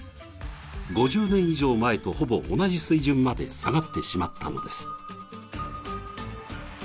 ５０年以上前とほぼ同じ水準まで下がってしまったのです。